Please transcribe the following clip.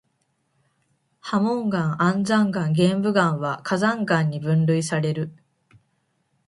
流紋岩、安山岩、玄武岩は火山岩に分類される。